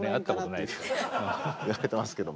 言われてますけども。